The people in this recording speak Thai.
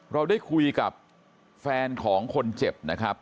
เราได้คุยกับแฟนของคนเจ็บนะครับ